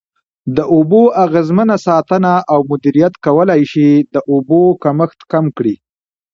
د اوبو اغیزمنه ساتنه او مدیریت کولای شي د اوبو کمښت کم کړي.